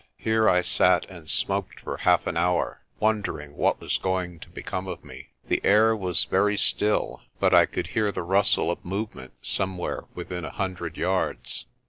Here I sat and smoked for half an hour, wondering what was going to become of me. The air was very still, but I could hear the rustle of movement somewhere within a hundred yards.